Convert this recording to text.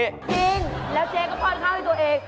จริงแล้วเจ๊ก็ป้อนข้าวให้ตัวเอง